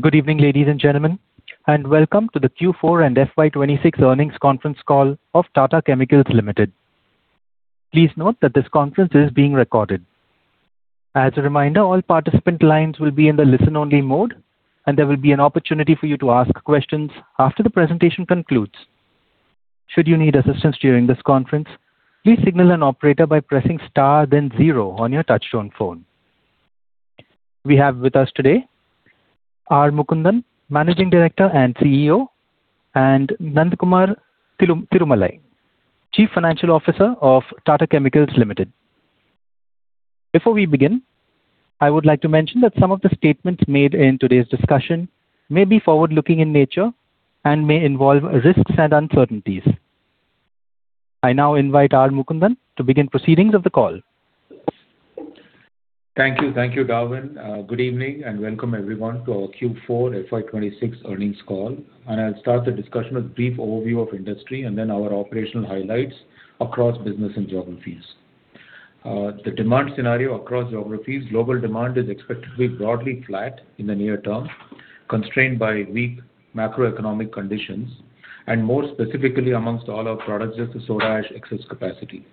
Good evening, ladies and gentlemen, and welcome to the Q4 and FY 2026 earnings conference call of Tata Chemicals Limited. Please note that this conference is being recorded. As a reminder, all participant lines will be in the listen-only mode, and there will be an opportunity for you to ask questions after the presentation concludes. Should you need assistance during this conference, please signal an operator by pressing star then zero on your touchtone phone. We have with us today R. Mukundan, Managing Director and CEO, and Nandakumar Tirumalai, Chief Financial Officer of Tata Chemicals Limited. Before we begin, I would like to mention that some of the statements made in today's discussion may be forward-looking in nature and may involve risks and uncertainties. I now invite R. Mukundan to begin proceedings of the call. Thank you. Thank you, Darwin. Good evening and welcome everyone to our Q4 FY 2026 earnings call. I'll start the discussion with a brief overview of industry and then our operational highlights across business and geographies. The demand scenario across geographies. Global demand is expected to be broadly flat in the near term, constrained by weak macroeconomic conditions, and more specifically amongst all our products due to soda ash excess capacity.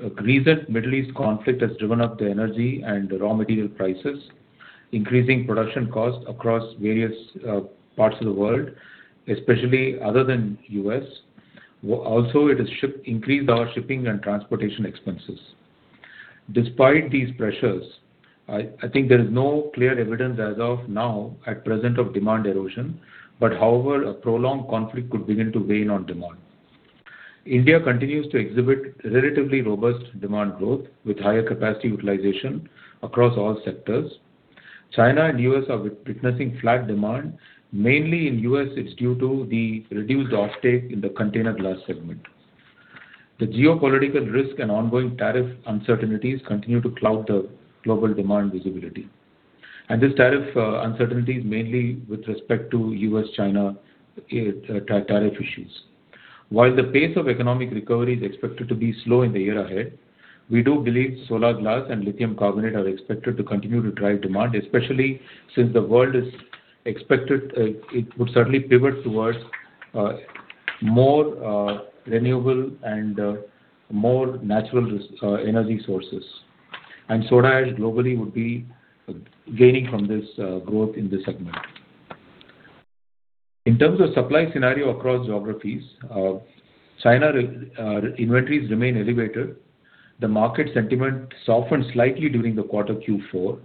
The recent Middle East conflict has driven up the energy and raw material prices, increasing production costs across various parts of the world, especially other than U.S. Also, it has increased our shipping and transportation expenses. Despite these pressures, I think there is no clear evidence as of now at present of demand erosion, but however, a prolonged conflict could begin to weigh on demand. India continues to exhibit relatively robust demand growth with higher capacity utilization across all sectors. China and U.S. are witnessing flat demand. Mainly in U.S., it's due to the reduced offtake in the container glass segment. The geopolitical risk and ongoing tariff uncertainties continue to cloud the global demand visibility. This tariff uncertainty is mainly with respect to U.S., China tariff issues. While the pace of economic recovery is expected to be slow in the year ahead, we do believe solar glass and lithium carbonate are expected to continue to drive demand, especially since the world is expected it would certainly pivot towards more renewable and more natural energy sources. Soda ash globally would be gaining from this growth in this segment. In terms of supply scenario across geographies, China inventories remain elevated. The market sentiment softened slightly during the quarter Q4.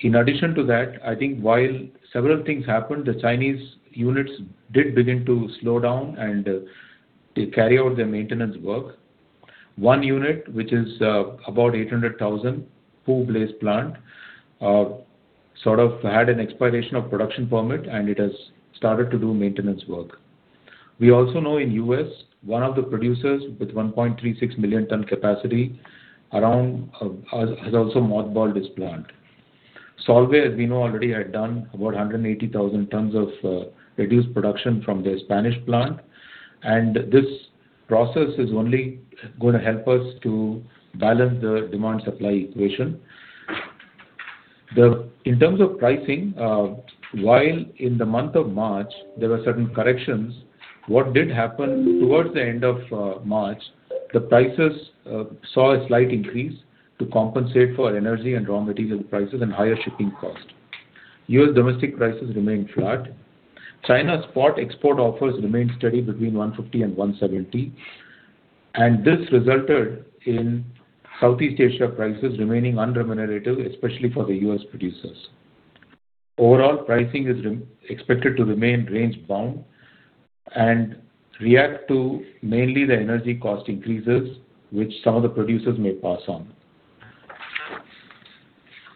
In addition to that, I think while several things happened, the Chinese units did begin to slow down, and they carry out their maintenance work. One unit, which is about 800,000 pool-based plant, sort of had an expiration of production permit, and it has started to do maintenance work. We also know in U.S., one of the producers with 1,360,000 tons capacity around, has also mothballed its plant. Solvay, as we know already, had done about 180,000 tons of reduced production from their Spanish plant, and this process is only gonna help us to balance the demand-supply equation. In terms of pricing, while in the month of March, there were certain corrections, what did happen towards the end of March, the prices saw a slight increase to compensate for energy and raw material prices and higher shipping cost. U.S. domestic prices remained flat. China spot export offers remained steady between 150 and 170, and this resulted in Southeast Asia prices remaining unremunerative, especially for the U.S. producers. Overall, pricing is re-expected to remain range-bound and react to mainly the energy cost increases, which some of the producers may pass on.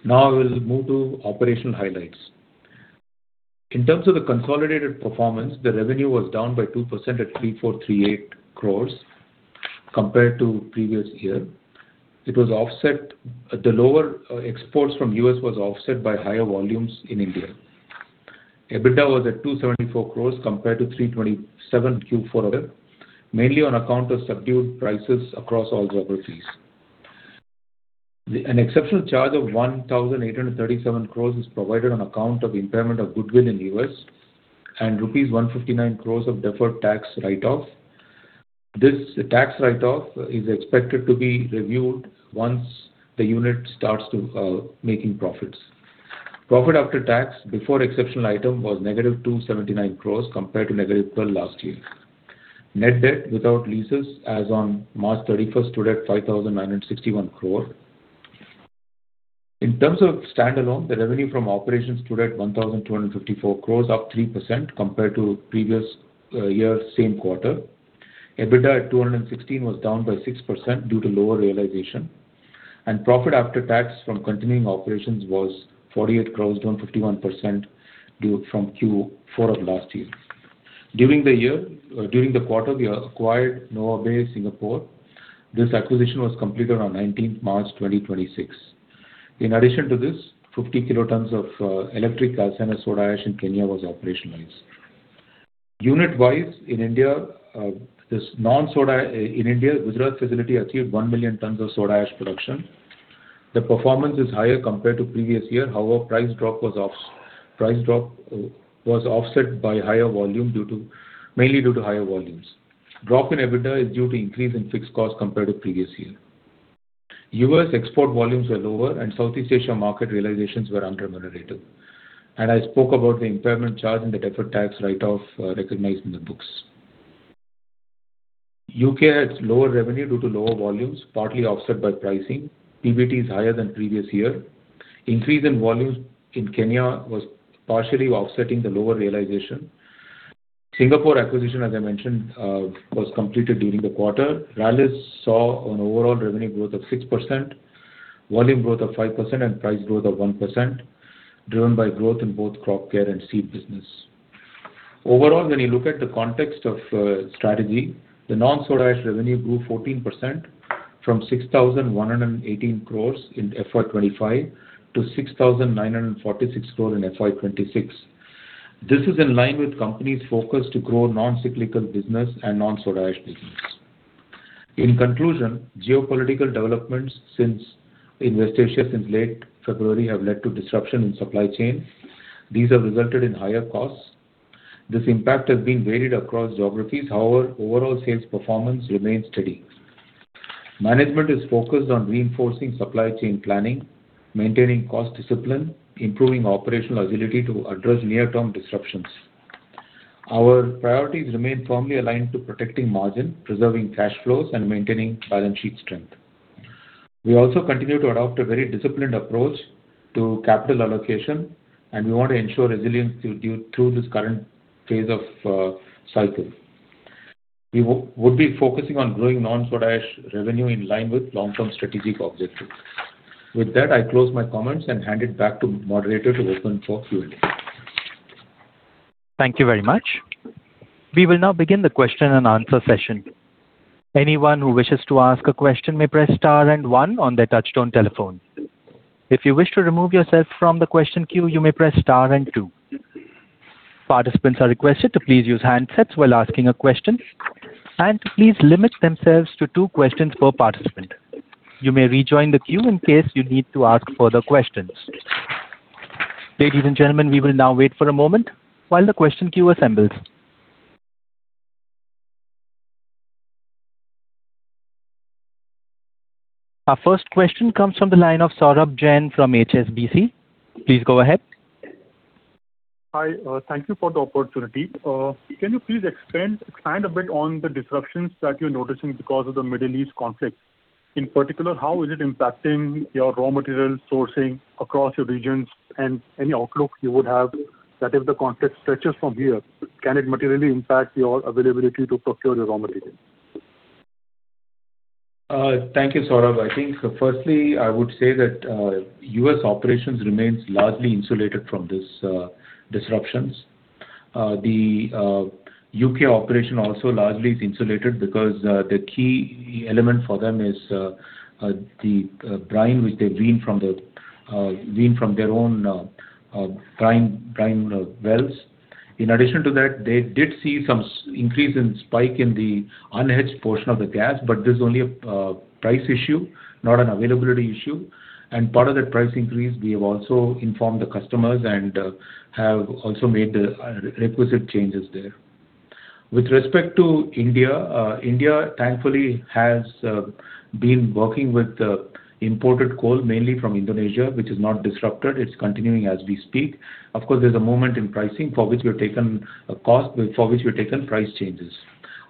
We'll move to operational highlights. In terms of the consolidated performance, the revenue was down by 2% at 3,438 crore compared to previous year. The lower exports from U.S. was offset by higher volumes in India. EBITDA was at 274 crore compared to 327 Q4 of it, mainly on account of subdued prices across all geographies. An exceptional charge of 1,837 crore is provided on account of impairment of goodwill in U.S. and rupees 159 crore of deferred tax write-off. This tax write-off is expected to be reviewed once the unit starts to making profits. Profit after tax before exceptional item was -279 crore compared to -12 last year. Net debt without leases as on March 31st stood at 5,961 crore. In terms of standalone, the revenue from operations stood at 1,254 crore, up 3% compared to previous year, same quarter. EBITDA at 216 was down by 6% due to lower realization. Profit after tax from continuing operations was 48 crores, down 51% due from Q4 of last year. During the quarter, we acquired Novabay Pte. Ltd. This acquisition was completed on March 19th, 2026. In addition to this, 50 kilotons of electrically calcined soda ash in Kenya was operationalized. Unit-wise in India, this non-soda in India, Gujarat facility achieved 1,000,000 tons of soda ash production. The performance is higher compared to previous year. However, price drop was offset by higher volume due to mainly due to higher volumes. Drop in EBITDA is due to increase in fixed cost compared to previous year. U.S. export volumes were lower. Southeast Asia market realizations were unremunerative. I spoke about the impairment charge and the deferred tax write-off recognized in the books. U.K. had lower revenue due to lower volumes, partly offset by pricing. PBT is higher than previous year. Increase in volumes in Kenya was partially offsetting the lower realization. Singapore acquisition, as I mentioned, was completed during the quarter. Rallis saw an overall revenue growth of 6%, volume growth of 5% and price growth of 1%, driven by growth in both crop care and seeds business. Overall, when you look at the context of strategy, the non-soda ash revenue grew 14% from 6,118 crores in FY 2025 to 6,946 crore in FY 2026. This is in line with company's focus to grow non-cyclical business and non-soda ash business. In conclusion, geopolitical developments in West Asia since late February have led to disruption in supply chain. These have resulted in higher costs. This impact has been varied across geographies. Overall sales performance remains steady. Management is focused on reinforcing supply chain planning, maintaining cost discipline, improving operational agility to address near-term disruptions. Our priorities remain firmly aligned to protecting margin, preserving cash flows, and maintaining balance sheet strength. We also continue to adopt a very disciplined approach to capital allocation, and we want to ensure resilience through this current phase of cycle. We would be focusing on growing non-soda ash revenue in line with long-term strategic objectives. With that, I close my comments and hand it back to moderator to open for Q&A. Thank you very much. We will now begin the question and answer session. Anyone who wishes to ask a question may press star and one on their touchtone telephone. If you wish to remove yourself from the question queue, you may press star and two. Participants are requested to please use handsets while asking a question and to please limit themselves to two questions per participant. You may rejoin the queue in case you need to ask further questions. Ladies and gentlemen, we will now wait for a moment while the question queue assembles. Our first question comes from the line of Saurabh Jain from HSBC. Please go ahead. Hi. Thank you for the opportunity. Can you please expand a bit on the disruptions that you're noticing because of the Middle East conflict? In particular, how is it impacting your raw material sourcing across your regions? Any outlook you would have that if the conflict stretches from here, can it materially impact your availability to procure your raw materials? Thank you, Saurabh. I think firstly, I would say that U.S. operations remains largely insulated from this disruptions. The U.K. operation also largely is insulated because the key element for them is the brine which they bring from their own brine wells. In addition to that, they did see some increase in spike in the unhedged portion of the gas, but this is only a price issue, not an availability issue. Part of that price increase, we have also informed the customers and have also made the requisite changes there. With respect to India thankfully has been working with imported coal mainly from Indonesia, which is not disrupted. It's continuing as we speak. Of course, there's a movement in pricing for which we have taken price changes.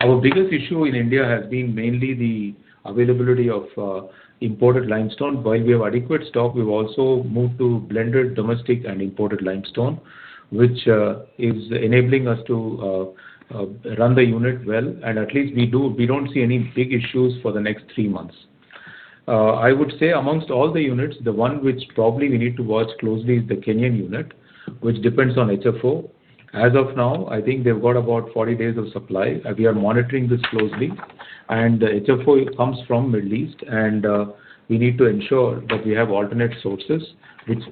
Our biggest issue in India has been mainly the availability of imported limestone. While we have adequate stock, we've also moved to blended domestic and imported limestone, which is enabling us to run the unit well. At least we don't see any big issues for the next three months. I would say amongst all the units, the one which probably we need to watch closely is the Kenyan unit, which depends on HFO. As of now, I think they've got about 40 days of supply. We are monitoring this closely. The HFO comes from Middle East, and we need to ensure that we have alternate sources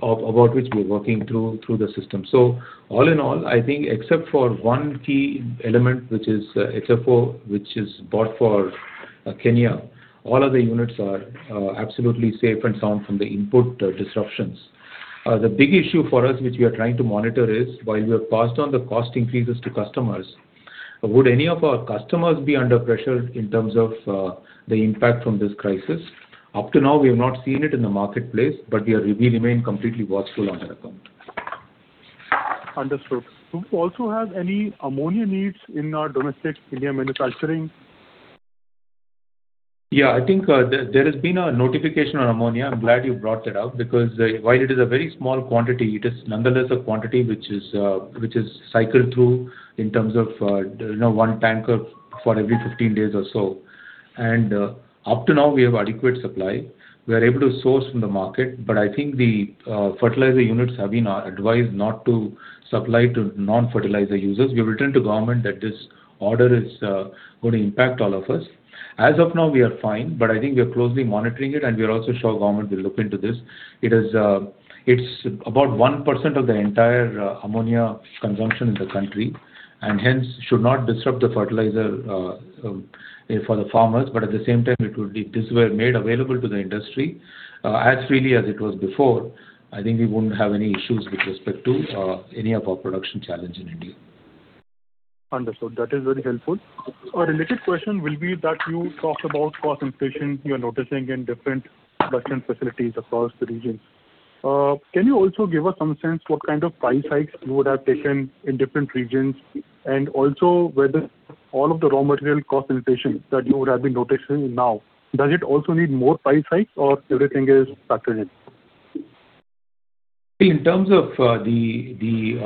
about which we're working through the system. All in all, I think except for one key element, which is HFO, which is bought for Kenya, all other units are absolutely safe and sound from the input disruptions. The big issue for us which we are trying to monitor is, while we have passed on the cost increases to customers, would any of our customers be under pressure in terms of the impact from this crisis? Up to now, we have not seen it in the marketplace, but we remain completely watchful on that account. Understood. Do you also have any ammonia needs in our domestic India manufacturing? Yeah. I think there has been a notification on ammonia. I'm glad you brought that up because, while it is a very small quantity, it is nonetheless a quantity which is cycled through in terms of, you know, one tanker for every 15 days or so. Up to now, we have adequate supply. We are able to source from the market. I think the fertilizer units have been advised not to supply to non-fertilizer users. We've written to government that this order is going to impact all of us. As of now, we are fine, but I think we are closely monitoring it, and we are also sure government will look into this. It is, it's about 1% of the entire ammonia consumption in the country, and hence should not disrupt the fertilizer for the farmers. At the same time, this were made available to the industry as freely as it was before. I think we wouldn't have any issues with respect to any of our production challenge in India. Understood. That is very helpful. A related question will be that you talked about cost inflation you're noticing in different production facilities across the regions. Can you also give us some sense what kind of price hikes you would have taken in different regions, and also whether all of the raw material cost inflation that you would have been noticing now, does it also need more price hikes or everything is factored in? In terms of the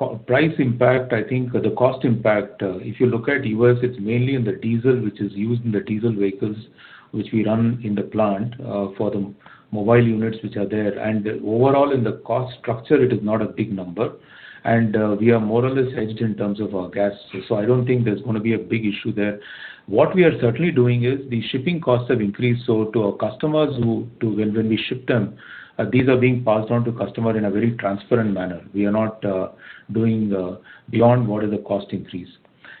co-price impact, I think the cost impact, if you look at U.S., it's mainly in the diesel, which is used in the diesel vehicles which we run in the plant for the mobile units which are there. Overall in the cost structure it is not a big number. We are more or less hedged in terms of our gas. I don't think there's gonna be a big issue there. What we are certainly doing is the shipping costs have increased, so to our customers when we ship them, these are being passed on to customer in a very transparent manner. We are not doing beyond what is the cost increase.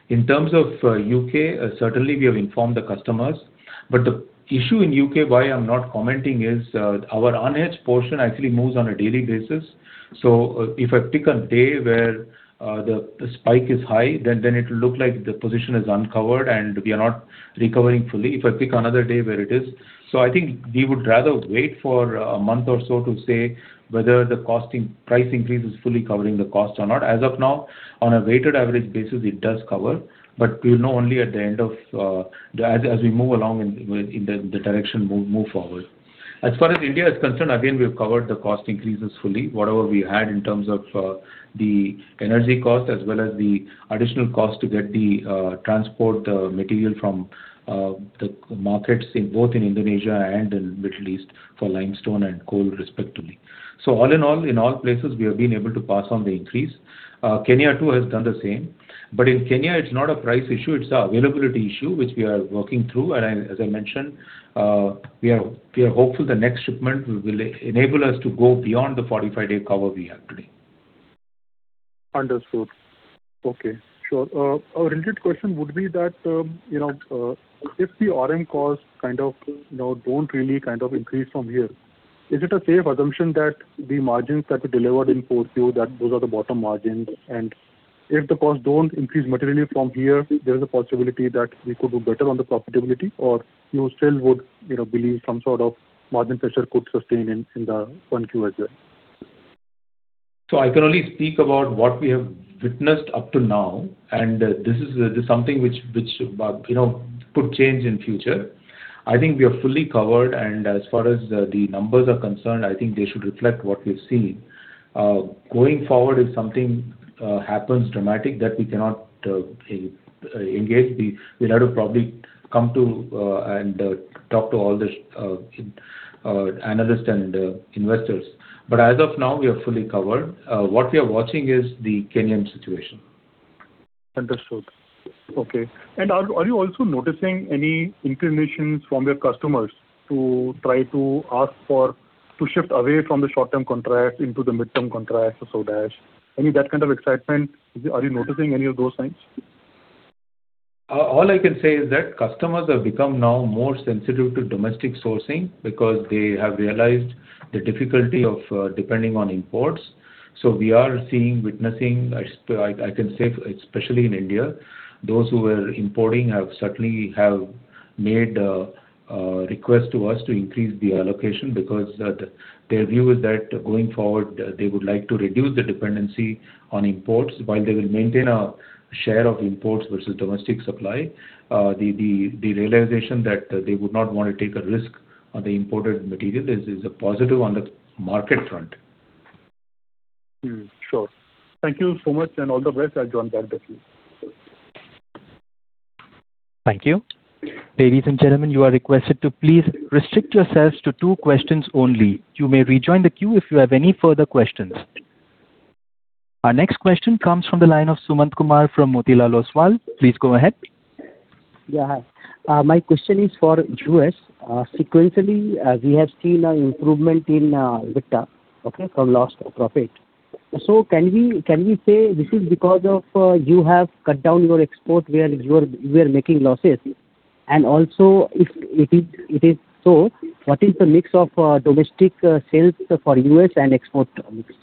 In terms of U.K., certainly we have informed the customers. The issue in U.K. why I'm not commenting is, our unhedged portion actually moves on a daily basis. If I pick a day where the spike is high, then it'll look like the position is uncovered and we are not recovering fully. I think we would rather wait for a month or so to say whether the price increase is fully covering the cost or not. As of now, on a weighted average basis, it does cover, but we'll know only as we move along in the direction move forward. As far as India is concerned, again, we've covered the cost increases fully, whatever we had in terms of the energy cost as well as the additional cost to get the transport material from the markets in both in Indonesia and in Middle East for limestone and coal respectively. All in all, in all places we have been able to pass on the increase. Kenya too has done the same. In Kenya it's not a price issue, it's a availability issue which we are working through. As I mentioned, we are hopeful the next shipment will enable us to go beyond the 45 day cover we have today. Understood. Okay. Sure. A related question would be that, you know, if the RM costs kind of, you know, don't really increase from here, is it a safe assumption that the margins that we delivered in Q4, that those are the bottom margins? If the costs don't increase materially from here, there is a possibility that we could do better on the profitability or you still would, you know, believe some sort of margin pressure could sustain in the 1Q as well? I can only speak about what we have witnessed up to now, and this is something which, you know, could change in future. I think we are fully covered. As far as the numbers are concerned, I think they should reflect what we've seen. Going forward, if something happens dramatic that we cannot engage, we'll have to probably come to and talk to all the analysts and investors. As of now, we are fully covered. What we are watching is the Kenyan situation. Understood. Okay. Are you also noticing any inclinations from your customers to try to ask for, to shift away from the short-term contract into the midterm contract or so that? Any of that kind of excitement? Are you noticing any of those signs? All I can say is that customers have become now more sensitive to domestic sourcing because they have realized the difficulty of depending on imports. We are seeing, witnessing, I can say especially in India, those who were importing have certainly made a request to us to increase the allocation because their view is that going forward, they would like to reduce the dependency on imports while they will maintain a share of imports versus domestic supply. The realization that they would not want to take a risk on the imported material is a positive on the market front. Sure. Thank you so much, and all the best at John Deere with you. Thank you. Ladies and gentlemen, you are requested to please restrict yourselves to two questions only. You may rejoin the queue if you have any further questions. Our next question comes from the line of Sumant Kumar from Motilal Oswal. Please go ahead. Hi. My question is for. [inaudible] Sequentially, we have seen an improvement in EBITDA, okay, from loss to profit. Can we say this is because of you have cut down your export where you're making losses? If it is so, what is the mix of domestic sales for U.S. and export mix?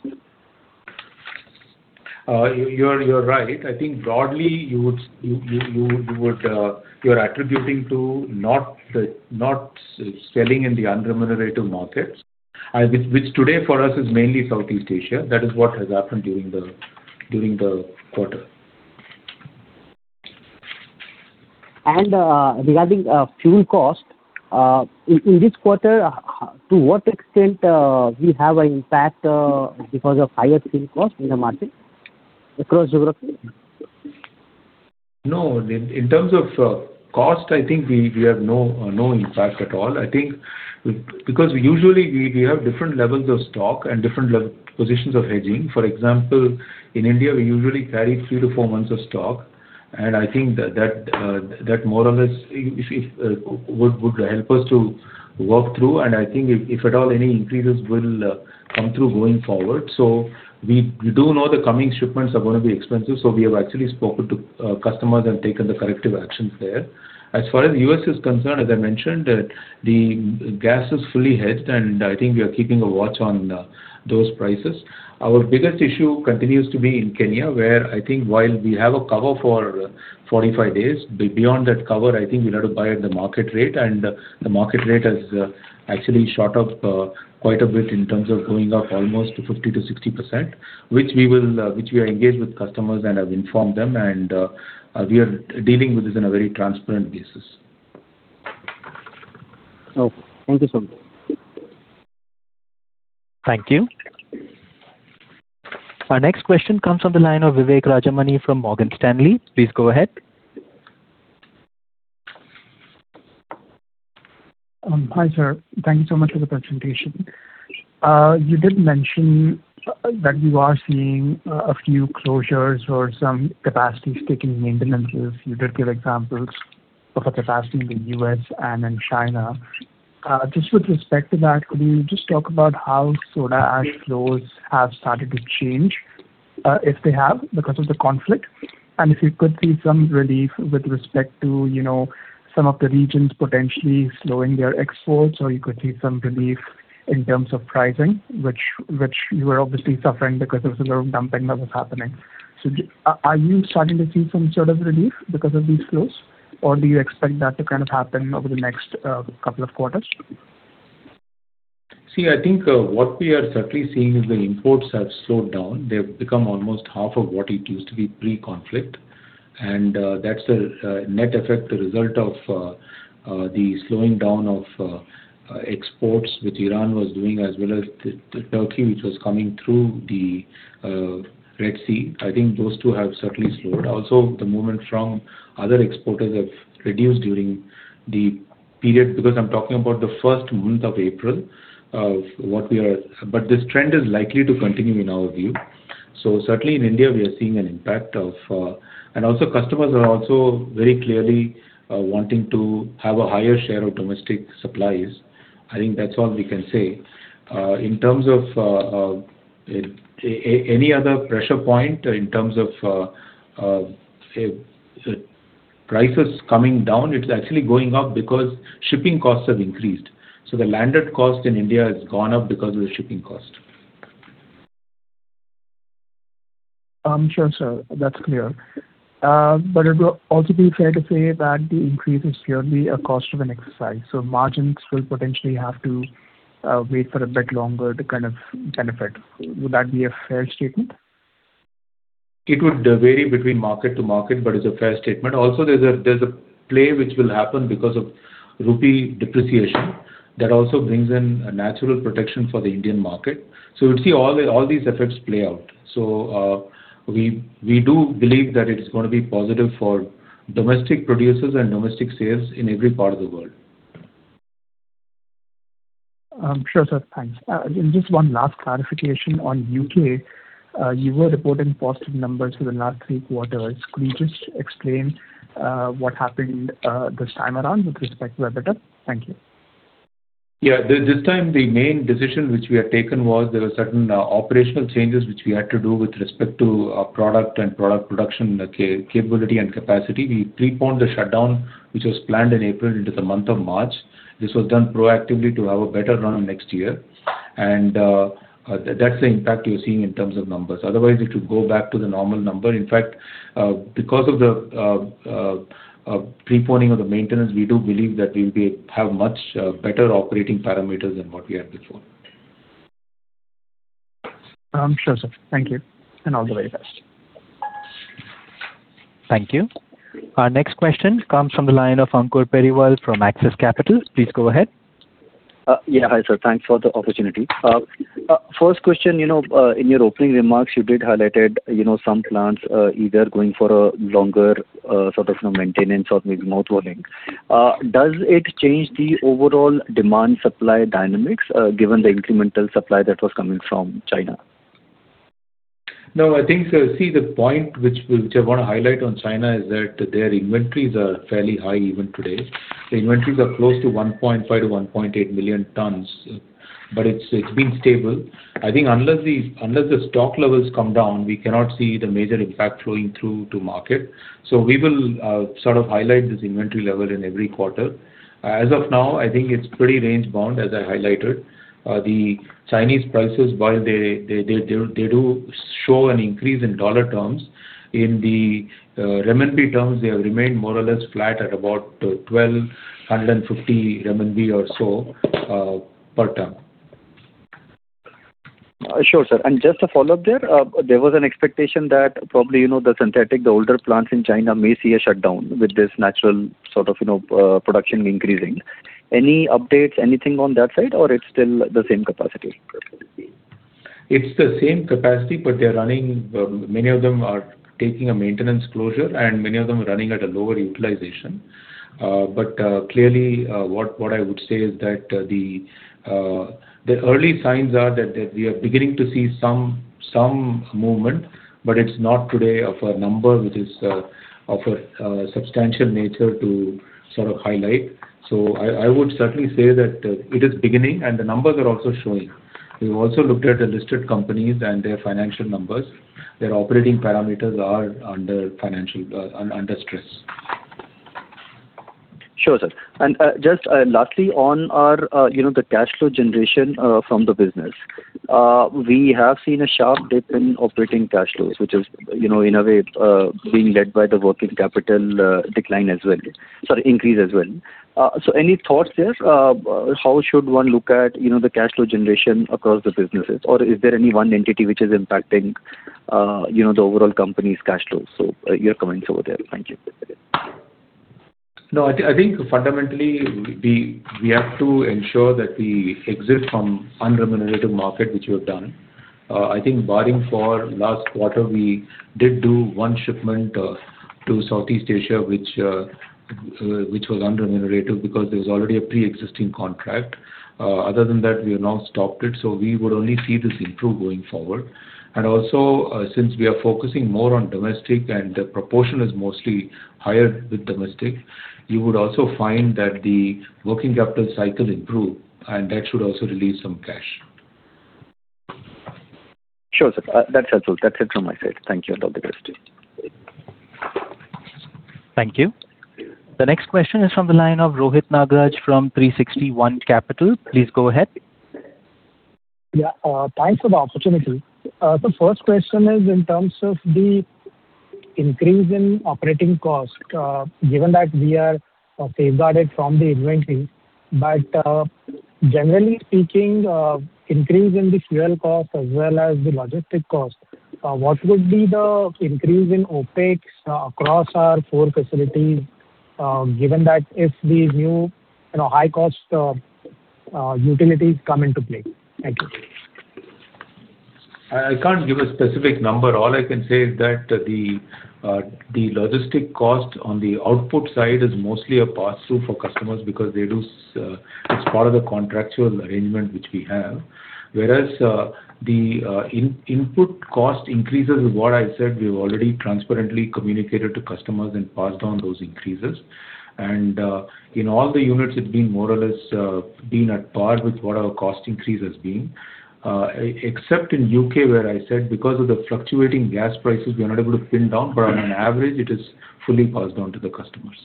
You're right. I think broadly you would, you're attributing to not selling in the unremunerative markets, which today for us is mainly Southeast Asia. That is what has happened during the quarter. Regarding fuel cost, in this quarter, to what extent we have an impact because of higher fuel cost in the market across geography? No. In, in terms of cost, I think we have no impact at all. I think because usually we have different levels of stock and different positions of hedging. For example, in India we usually carry three to four months of stock. I think that more or less, if would help us to work through, and I think if at all any increases will come through going forward. We do know the coming shipments are gonna be expensive, so we have actually spoken to customers and taken the corrective actions there. As far as the U.S. is concerned, as I mentioned, the gas is fully hedged, and I think we are keeping a watch on those prices. Our biggest issue continues to be in Kenya, where I think while we have a cover for 45 days, beyond that cover, I think we'll have to buy at the market rate. The market rate has actually shot up quite a bit in terms of going up almost to 50%-60%, which we will, which we are engaged with customers and have informed them and, we are dealing with this in a very transparent basis. Okay. Thank you, sir. Thank you. Our next question comes from the line of Vivek Rajamani from Morgan Stanley. Please go ahead. Hi, sir. Thank you so much for the presentation. You did mention that you are seeing a few closures or some capacity-sticking maintenances. You did give examples of a capacity in the U.S. and in China. Just with respect to that, could you just talk about how soda ash flows have started to change, if they have because of the conflict? And if you could see some relief with respect to, you know, some of the regions potentially slowing their exports or you could see some relief in terms of pricing, which you are obviously suffering because of the sort of dumping that was happening. Are you starting to see some sort of relief because of these flows? Or do you expect that to kind of happen over the next couple of quarters? See, I think, what we are certainly seeing is the imports have slowed down. They've become almost half of what it used to be pre-conflict. That's the net effect, the result of the slowing down of exports which Iran was doing as well as Turkey, which was coming through the Red Sea. I think those two have certainly slowed. The movement from other exporters have reduced during the period because I'm talking about the first month of April. This trend is likely to continue in our view. Certainly in India we are seeing an impact. Customers are also very clearly wanting to have a higher share of domestic supplies. I think that's all we can say. In terms of any other pressure point in terms of prices coming down, it's actually going up because shipping costs have increased. The landed cost in India has gone up because of the shipping cost. Sure, sir. That's clear. It would also be fair to say that the increase is purely a cost of an exercise, so margins will potentially have to wait for a bit longer to kind of benefit. Would that be a fair statement? It would vary between market to market, but it's a fair statement. There's a play which will happen because of rupee depreciation. That also brings in a natural protection for the Indian market. We'll see all these effects play out. We do believe that it's gonna be positive for domestic producers and domestic sales in every part of the world. Sure, sir. Thanks. Just one last clarification on U.K. You were reporting positive numbers for the last three quarters. Could you just explain what happened this time around with respect to EBITDA? Thank you. Yeah. This time the main decision which we have taken was there were certain operational changes which we had to do with respect to our product and product production capability and capacity. We preponed the shutdown, which was planned in April, into the month of March. This was done proactively to have a better run next year. That's the impact you're seeing in terms of numbers. Otherwise it would go back to the normal number. In fact, because of the preponing of the maintenance, we do believe that we'll be have much better operating parameters than what we had before. Sure, sir. Thank you, and all the very best. Thank you. Our next question comes from the line of Ankur Periwal from Axis Capital. Please go ahead. Yeah. Hi, sir. Thanks for the opportunity. First question, you know, in your opening remarks, you did highlighted, you know, some plants, either going for a longer, sort of, you know, maintenance or maybe mothballing. Does it change the overall demand-supply dynamics, given the incremental supply that was coming from China? No, I think, see, the point which I wanna highlight on China is that their inventories are fairly high even today. The inventories are close to 1,500,000-1,800,000 tons, but it's been stable. I think unless the stock levels come down, we cannot see the major impact flowing through to market. We will sort of highlight this inventory level in every quarter. As of now, I think it's pretty range-bound as I highlighted. The Chinese prices, while they do show an increase in dollar terms, in the renminbi terms, they have remained more or less flat at about 1,250 RMB or so per ton. Sure, sir. Just a follow-up there. There was an expectation that probably, you know, the synthetic, the older plants in China may see a shutdown with this natural sort of, you know, production increasing. Any updates, anything on that side? Or it's still the same capacity? It's the same capacity, but they're running, many of them are taking a maintenance closure, and many of them are running at a lower utilization. Clearly, what I would say is that the early signs are that we are beginning to see some movement, but it's not today of a number which is of a substantial nature to sort of highlight. I would certainly say that it is beginning, and the numbers are also showing. We've also looked at the listed companies and their financial numbers. Their operating parameters are under financial stress. Sure, sir. Just, lastly on our, you know, the cash flow generation from the business. We have seen a sharp dip in operating cash flows, which is, you know, in a way, being led by the working capital decline as well. Sorry, increase as well. Any thoughts there of how should one look at, you know, the cash flow generation across the businesses? Or is there any one entity which is impacting, you know, the overall company's cash flows? Your comments over there. Thank you. No, I think fundamentally we have to ensure that we exit from unremunerative market, which we have done. I think barring for last quarter, we did do one shipment to Southeast Asia, which was unremunerative because there was already a preexisting contract. Other than that, we have now stopped it, so we would only see this improve going forward. Also, since we are focusing more on domestic and the proportion is mostly higher with domestic, you would also find that the working capital cycle improve, and that should also release some cash. Sure, sir. That's helpful. That's it from my side. Thank you. I'll hand over to Kristy. Thank you. The next question is from the line of Rohit Nagraj from 360 ONE Capital. Please go ahead. Yeah. Thanks for the opportunity. The first question is in terms of the increase in operating cost, given that we are safeguarded from the inventory. Generally speaking, increase in the fuel cost as well as the logistic cost, what would be the increase in OpEx across our four facilities, given that if the new, you know, high-cost utilities come into play? Thank you. I can't give a specific number. All I can say is that the logistic cost on the output side is mostly a pass-through for customers because it's part of the contractual arrangement which we have. Whereas the input cost increases is what I said we've already transparently communicated to customers and passed on those increases. In all the units, it's been more or less been at par with what our cost increase has been. Except in U.K., where I said because of the fluctuating gas prices, we are not able to pin down. On an average, it is fully passed on to the customers.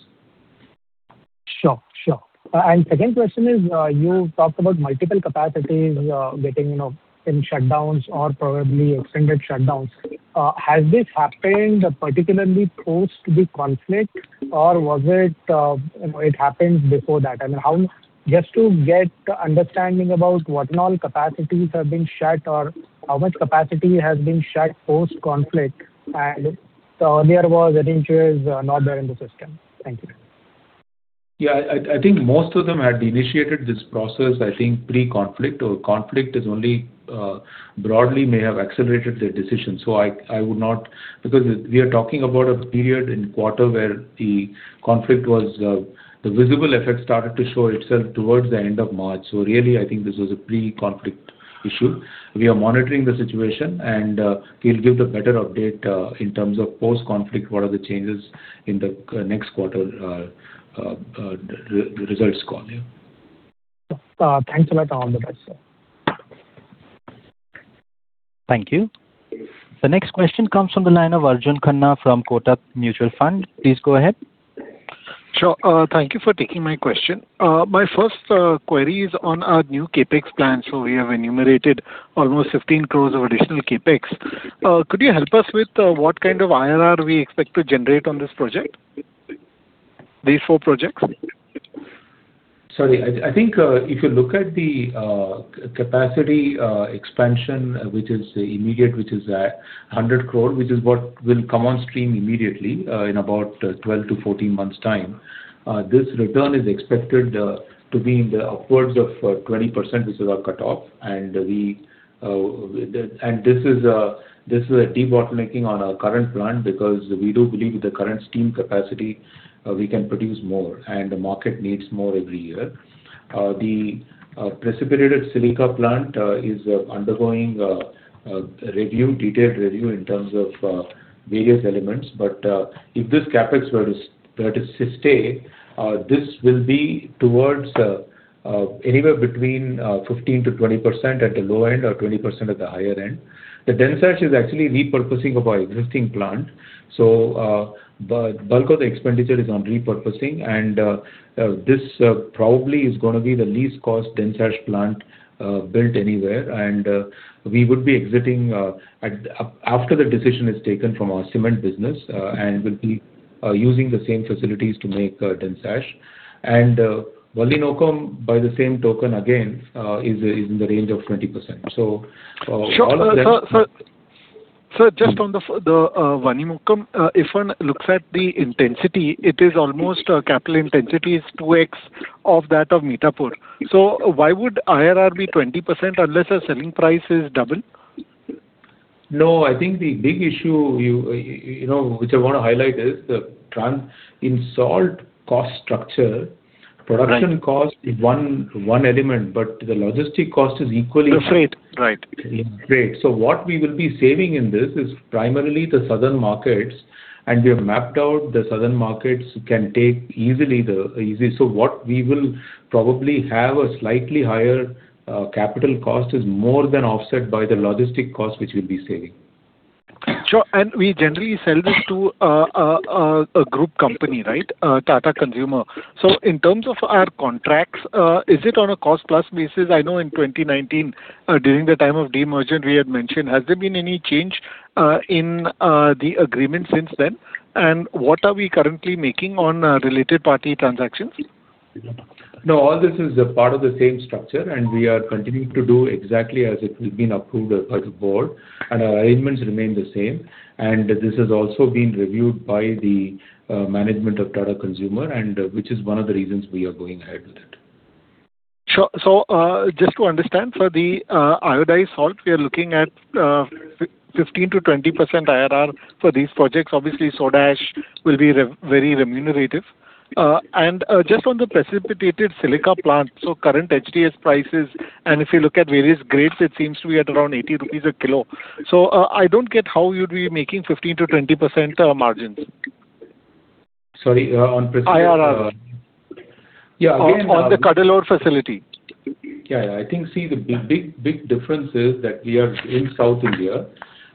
Sure. Sure. Second question is, you talked about multiple capacities, getting, you know, in shutdowns or probably extended shutdowns. Has this happened particularly post the conflict, or was it, you know, it happened before that? I mean, just to get understanding about what and all capacities have been shut or how much capacity has been shut post-conflict. Earlier was it in short, not there in the system? Thank you. Yeah. I think most of them had initiated this process, I think pre-conflict or conflict. It only broadly may have accelerated their decision. Because we are talking about a period in quarter where the conflict was the visible effect started to show itself towards the end of March. Really I think this was a pre-conflict issue. We are monitoring the situation and we'll give the better update in terms of post-conflict, what are the changes in the next quarter re-results call, yeah. Thanks a lot. All the best, sir. Thank you. The next question comes from the line of Arjun Khanna from Kotak Mutual Fund. Please go ahead. Sure. Thank you for taking my question. My first query is on our new CapEx plan. We have enumerated almost 15 crores of additional CapEx. Could you help us with what kind of IRR we expect to generate on this project? These four projects. Sorry. I think, if you look at the capacity expansion, which is immediate, which is 100 crore, which is what will come on stream immediately, in about 12 to 14 months' time. This return is expected to be in the upwards of 20%, which is our cutoff. This is a bottlenecking on our current plan because we do believe with the current steam capacity, we can produce more, and the market needs more every year. The precipitated silica plant is undergoing a review, detailed review in terms of various elements. If this CapEx were to stay, this will be towards anywhere between 15%-20% at the low end or 20% at the higher end. The dense ash is actually repurposing of our existing plant. The bulk of the expenditure is on repurposing. This probably is gonna be the least cost dense ash plant built anywhere. We would be exiting at after the decision is taken from our cement business and we'll be using the same facilities to make dense ash. Valinokkam, by the same token again, is in the range of 20%. Sure. sir, just on the Valinokkam, if one looks at the intensity, it is almost, capital intensity is 2x of that of Mithapur. Why would IRR be 20% unless the selling price is double? No, I think the big issue you know, which I want to highlight is in salt cost structure. Right. Production cost is one element, but the logistics cost is equally high. The freight, right. Yeah, freight. What we will be saving in this is primarily the southern markets, and we have mapped out the southern markets can take easily the easy. What we will probably have a slightly higher capital cost is more than offset by the logistic cost which we'll be saving. Sure. We generally sell this to a group company, right? Tata Consumer. In terms of our contracts, is it on a cost plus basis? I know in 2019, during the time of demerger we had mentioned. Has there been any change, in, the agreement since then? What are we currently making on, related party transactions? No, all this is a part of the same structure, and we are continuing to do exactly as it has been approved by the board, and our arrangements remain the same. This has also been reviewed by the management of Tata Consumer and, which is one of the reasons we are going ahead with it. Sure. Just to understand, for the iodized salt, we are looking at 15%-20% IRR for these projects. Obviously, soda ash will be very remunerative. Just on the precipitated silica plant, current HDS prices, and if you look at various grades, it seems to be at around 80 rupees a kilo. I don't get how you'd be making 15%-20% margins. Sorry, on IRR. Yeah. Again. On the Cuddalore facility. Yeah, yeah. I think, see, the big, big difference is that we are in South India,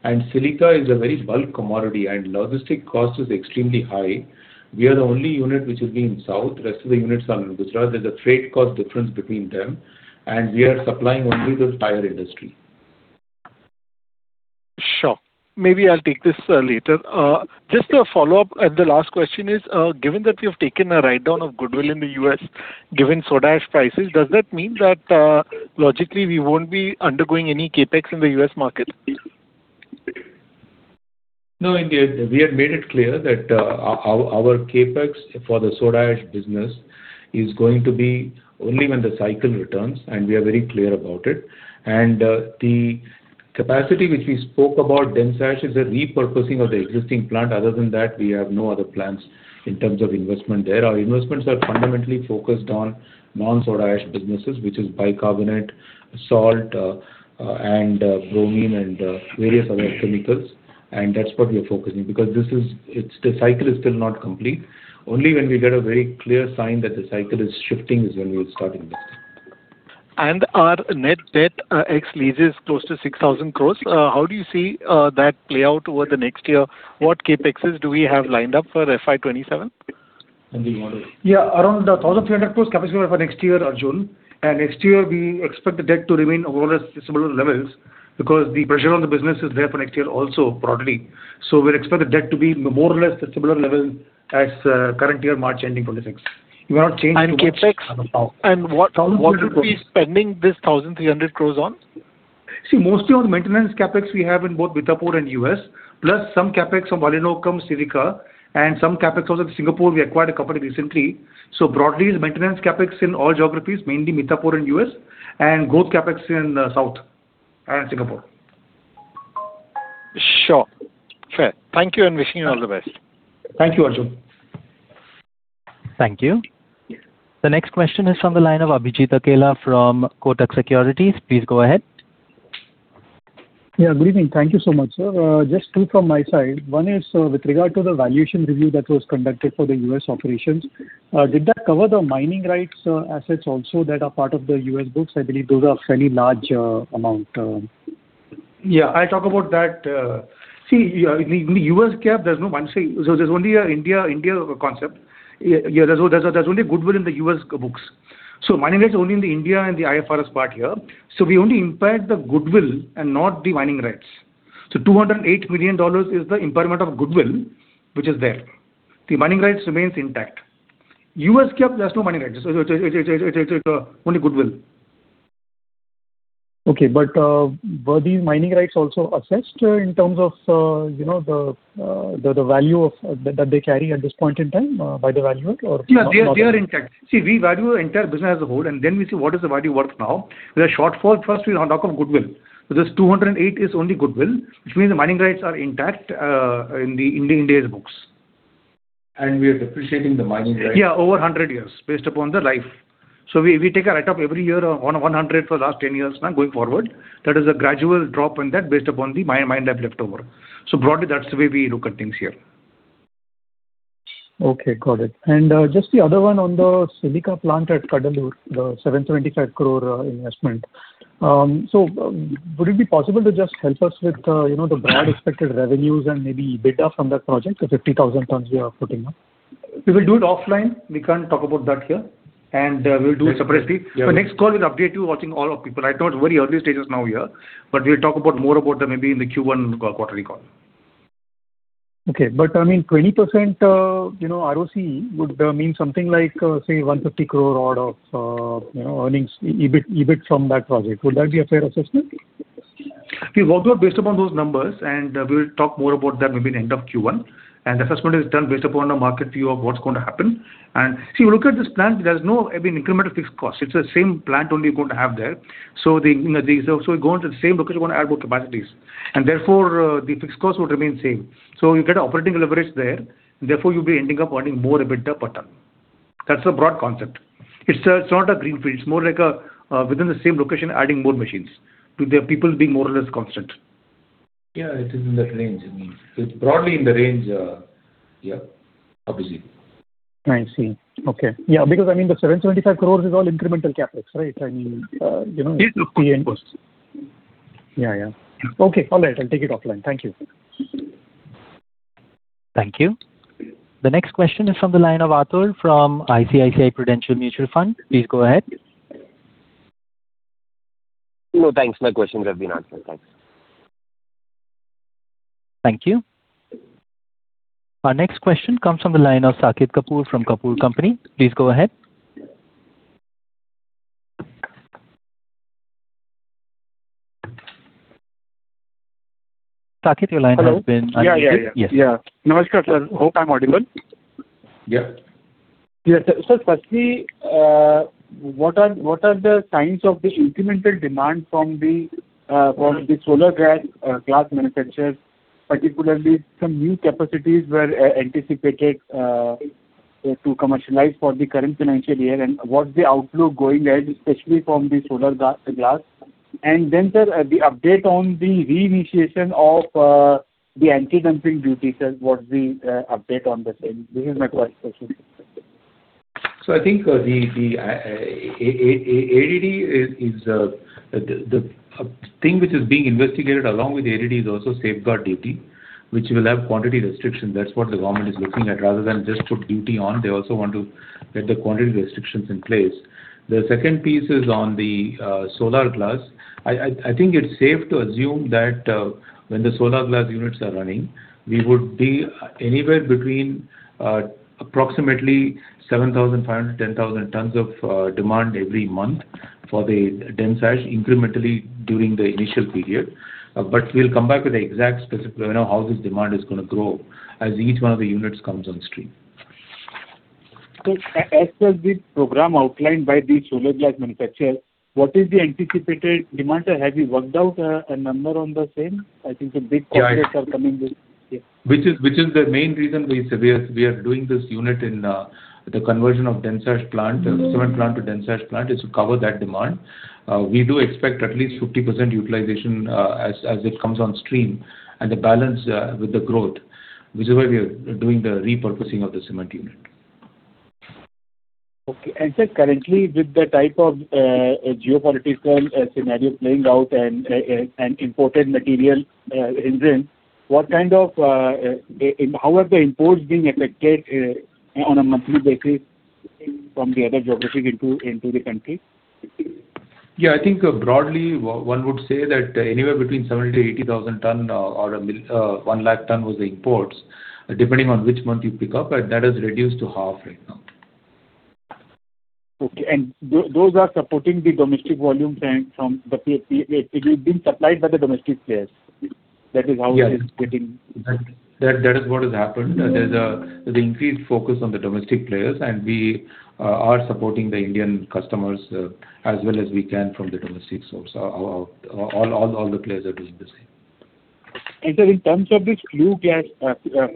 and silica is a very bulk commodity, and logistic cost is extremely high. We are the only unit which will be in south. The rest of the units are in Gujarat. There is a freight cost difference between them, and we are supplying only the tire industry. Sure. Maybe I'll take this later. Just a follow-up and the last question is, given that we have taken a write down of goodwill in the U.S., given soda ash prices, does that mean that, logically we won't be undergoing any CapEx in the U.S. market? No, indeed. We have made it clear that our CapEx for the soda ash business is going to be only when the cycle returns, and we are very clear about it. The capacity which we spoke about, dense ash, is a repurposing of the existing plant. Other than that, we have no other plans in terms of investment there. Our investments are fundamentally focused on non-soda ash businesses, which is bicarbonate, salt, and bromine and various other chemicals. That's what we are focusing because this is. The cycle is still not complete. Only when we get a very clear sign that the cycle is shifting is when we will start investing. Our net debt, ex leases close to 6,000 crores. How do you see that play out over the next year? What CapExes do we have lined up for FY 2027? Yeah, around 1,300 crores CapEx for next year, Arjun. Next year we expect the debt to remain more or less similar levels because the pressure on the business is there for next year also broadly. We'll expect the debt to be more or less at similar level as current year March ending 2026. We are not changed so much. CapEx. At the power. What, what would we be spending this 1,300 crores on? Mostly on maintenance CapEx we have in both Mithapur and U.S., plus some CapEx on Walino cum silica and some CapEx also in Singapore. We acquired a company recently. Broadly is maintenance CapEx in all geographies, mainly Mithapur and U.S., and growth CapEx in South and Singapore. Sure. Fair. Thank you and wishing you all the best. Thank you, Arjun. Thank you. The next question is from the line of Abhijit Akella from Kotak Securities. Please go ahead. Good evening. Thank you so much, sir. Just two from my side. One is with regard to the valuation review that was conducted for the U.S. operations. Did that cover the mining rights assets also that are part of the U.S. books? I believe those are fairly large amount. Yeah. I talk about that. See, in the U.S. cap, there's no mining. There's only a India concept. There's only goodwill in the U.S. books. Mining rights only in the India and the IFRS part here. We only impaired the goodwill and not the mining rights. $208 million is the impairment of goodwill which is there. The mining rights remains intact. U.S. cap, there's no mining rights. It's only goodwill. Okay. Were these mining rights also assessed, in terms of, you know, the value of that they carry at this point in time, by the valuer or not at all? Yeah, they are intact. See, we value entire business as a whole, we see what is the value worth now. With a shortfall first we'll now talk of goodwill. This 208 is only goodwill, which means the mining rights are intact in the India's books. We are depreciating the mining rights. Yeah, over 100 years based upon the life. We take a write up every year on 100 for last 10 years now going forward. That is a gradual drop in that based upon the mine life leftover. Broadly, that's the way we look at things here. Okay, got it. Just the other one on the silica plant at Cuddalore, the 725 crore investment, would it be possible to just help us with, you know, the broad expected revenues and maybe EBITDA from that project, the 50,000 tons we are putting up? We will do it offline. We can't talk about that here. We'll do it separately. Yeah. The next call we'll update you watching all of people. I thought very early stages now here, but we'll talk about more about that maybe in the Q1 quarterly call. Okay. I mean, 20%, you know, ROCE would mean something like, say 150 crore order of, you know, earnings, EBIT from that project. Would that be a fair assessment? We worked out based upon those numbers. We'll talk more about that maybe in end of Q1. The assessment is done based upon the market view of what's gonna happen. See, we look at this plant, there's no, I mean, incremental fixed costs. It's the same plant only we're going to have there. We go into the same location, wanna add more capacities. Therefore, the fixed cost would remain same. You get operating leverage there. Therefore, you'll be ending up earning more EBITDA per ton. That's a broad concept. It's, it's not a greenfield. It's more like a, within the same location, adding more machines to the people being more or less constant. Yeah, it is in that range. I mean, it's broadly in the range, yeah, obviously. I see. Okay. Yeah, because I mean the 725 crores is all incremental CapEx, right? I mean, you know. It's INR 50 in costs. Yeah, yeah. Okay. All right. I'll take it offline. Thank you. Thank you. The next question is from the line of Atul from ICICI Prudential Mutual Fund. Please go ahead. No, thanks. My questions have been answered. Thanks. Thank you. Our next question comes from the line of Saket Kapoor from Kapoor & Company. Please go ahead. Saket, your line has been unmuted. Hello. Yes. Yeah, yeah. Yeah. [inaudible] sir. Hope I'm audible. Yeah. Yes. Sir, firstly, what are the signs of the incremental demand from the solar glass manufacturers, particularly some new capacities were anticipated to commercialize for the current financial year, and what's the outlook going ahead, especially from the solar glass? Then, sir, the update on the re-initiation of the anti-dumping duty, sir. What's the update on the same? These are my two questions. I think the ADD is the thing which is being investigated along with the ADD is also safeguard duty, which will have quantity restriction. That's what the government is looking at. Rather than just put duty on, they also want to get the quantity restrictions in place. The second piece is on the solar glass. I think it's safe to assume that when the solar glass units are running, we would be anywhere between approximately 7,500, 10,000 tons of demand every month for the dense ash incrementally during the initial period. We'll come back with the exact specific, you know, how this demand is gonna grow as each one of the units comes on stream. As per the program outlined by the solar glass manufacturer, what is the anticipated demand? Sir, have you worked out a number on the same? I think the big corporates are coming with. Yeah. Yeah. Which is the main reason we are doing this unit in the conversion of dense ash plant, cement plant to dense ash plant, is to cover that demand. We do expect at least 50% utilization as it comes on stream, and the balance with the growth, which is why we are doing the repurposing of the cement unit. Okay. Sir, currently, with the type of geopolitical scenario playing out and imported material, engine, what kind of, How are the imports being affected on a monthly basis from the other geographic into the country? I think broadly one would say that anywhere between 70,000-80,000 ton or 1 lakh ton was the imports, depending on which month you pick up, but that has reduced to half right now. Okay. Those are supporting the domestic volume trend. It is being supplied by the domestic players. Yeah. That is what has happened. There's increased focus on the domestic players, and we are supporting the Indian customers as well as we can from the domestic source. All the players are doing the same. Sir, in terms of this flue gas,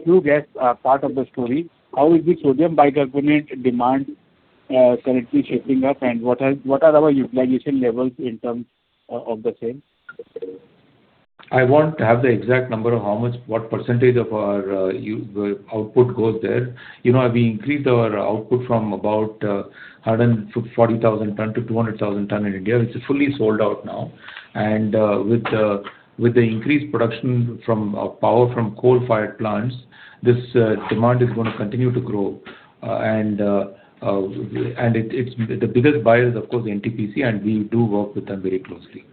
flue gas, part of the story, how is the sodium bicarbonate demand currently shaping up, and what are our utilization levels in terms of the same? I won't have the exact number of how much, what percentage of our output goes there. You know, we increased our output from about 140,000 ton to 200,000 ton in a year, which is fully sold out now. With the increased production from power from coal-fired plants, this demand is gonna continue to grow. The biggest buyer is, of course, NTPC, and we do work with them very closely.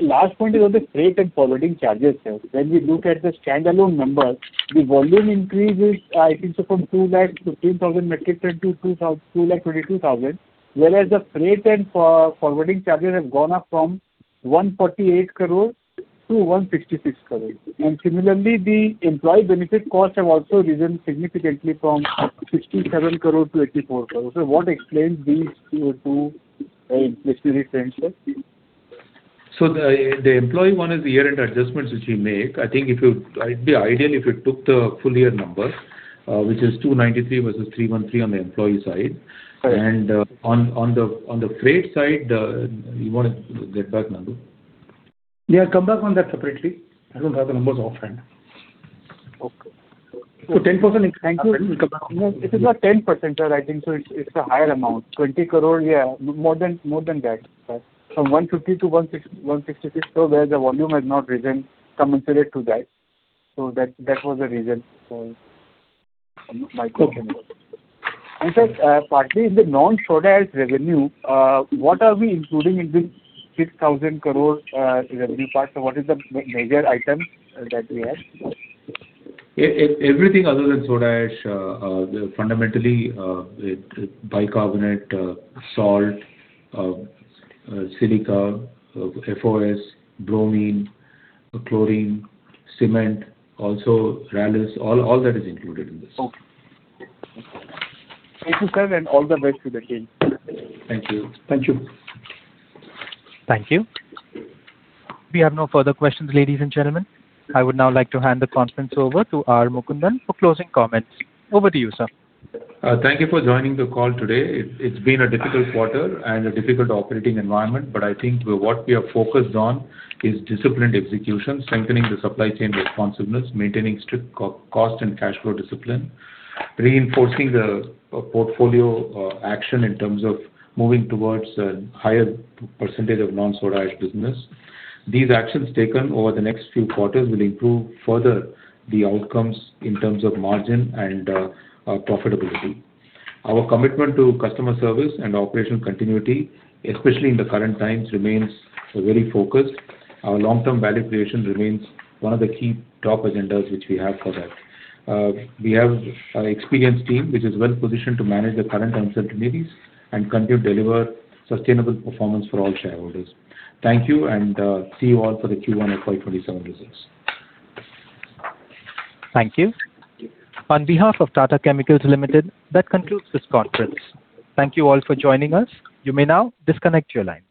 Last point is on the freight and forwarding charges, sir. When we look at the standalone numbers, the volume increase is, I think from 2 lakh 15,000 metric ton to 2 lakh 22,000, whereas the freight and forwarding charges have gone up from 148 crore-166 crore. Similarly, the employee benefit costs have also risen significantly from 67 crore-84 crore. What explains these two discrete trends, sir? The employee one is the year-end adjustments which we make. It'd be ideal if you took the full year number, which is 293 versus 313 on the employee side. Right. On the freight side, you wanna get back, Nandu? Yeah, I'll come back on that separately. I don't have the numbers offhand. Okay. 10% increase. Thank you. We'll come back. It is not 10%, sir. I think so it's a higher amount. 20 crore, yeah, more than that, sir. From 150 crore-166 crore, where the volume has not risen commensurate to that. That was the reason for my question. Okay. Sir, partly in the non-soda ash revenue, what are we including in this 6,000 crore revenue part? What is the major item that we have? Everything other than soda ash, fundamentally, bicarbonate, salt, silica, FOSSENCE, bromine, chlorine, cement, also Rallis, all that is included in this. Okay. Thank you, sir, and all the best for the team. Thank you. Thank you. Thank you. We have no further questions, ladies and gentlemen. I would now like to hand the conference over to R. Mukundan for closing comments. Over to you, sir. Thank you for joining the call today. It's been a difficult quarter and a difficult operating environment. I think what we are focused on is disciplined execution, strengthening the supply chain responsiveness, maintaining strict cost and cash flow discipline, reinforcing the portfolio action in terms of moving towards a higher percentage of non-soda ash business. These actions taken over the next few quarters will improve further the outcomes in terms of margin and profitability. Our commitment to customer service and operational continuity, especially in the current times, remains very focused. Our long-term value creation remains one of the key top agendas which we have for that. We have an experienced team which is well-positioned to manage the current uncertainties and continue to deliver sustainable performance for all shareholders. Thank you, and see you all for the Q1 FY 2027 results. Thank you. On behalf of Tata Chemicals Limited, that concludes this conference. Thank you all for joining us. You may now disconnect your line.